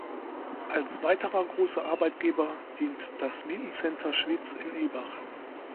Als weiterer grosser Arbeitgeber dient das "Mythen Center Schwyz" in Ibach.